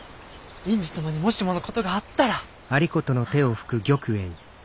院主様にもしものことがあったら！